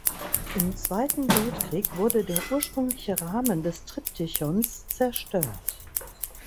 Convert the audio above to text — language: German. Im Zweiten Weltkrieg wurde der ursprüngliche Rahmen des Triptychons zerstört.